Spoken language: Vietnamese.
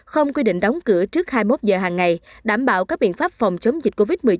không quy định đóng cửa trước hai mươi một giờ hàng ngày đảm bảo các biện pháp phòng chống dịch covid một mươi chín